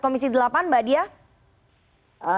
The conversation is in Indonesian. komisi delapan mbak dia